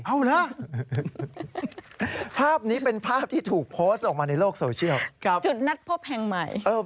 เอาละภาพนี้เป็นภาพที่ถูกโพสต์ลงมาในโลกโซเชียล